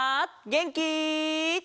げんき？